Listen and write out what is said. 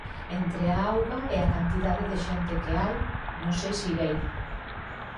Entre a auga e a cantidade de xente que hai, non sei se irei